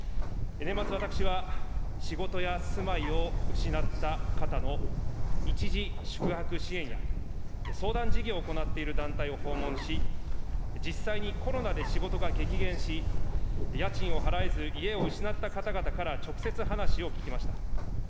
年末、私は仕事や住まいを失った方の一時宿泊支援や、相談事業を行っている団体を訪問し、実際にコロナで仕事が激減し、家賃を払えず家を失った方々から直接話を聞きました。